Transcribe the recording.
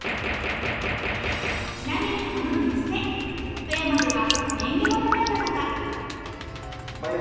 ちなみにこの煮つけ富山では縁起物なんだとか。